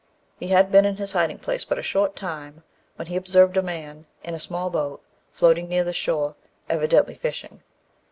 He had been in his hiding place but a short time, when he observed a man in a small boat, floating near the shore, evidently fishing.